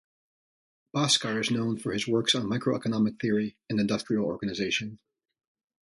Bhaskar is known for his works on microeconomic theory and industrial organization.